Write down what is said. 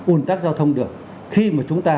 ủn tắc giao thông được khi mà chúng ta